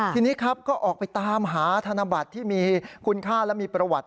ทีนี้ครับก็ออกไปตามหาธนบัตรที่มีคุณค่าและมีประวัติ